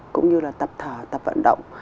cũng như là tập thở tập vận động